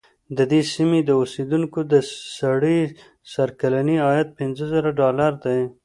د دې سیمې د اوسېدونکو د سړي سر کلنی عاید پنځه زره ډالره دی.